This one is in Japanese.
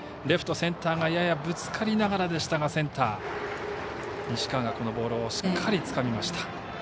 レフト、センターがややぶつかりながらでしたがセンター西川が、このボールをしっかりつかみました。